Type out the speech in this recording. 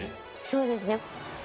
そうですね。